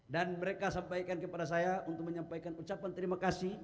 dan mereka sampaikan kepada saya untuk menyampaikan ucapan terima kasih